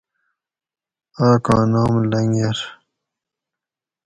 آکاں نام لنگر